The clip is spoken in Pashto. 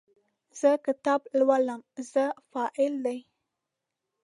زه کتاب لولم – "زه" فاعل دی.